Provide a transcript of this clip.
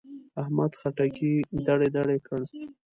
احمد خټکی دړې دړې کړ.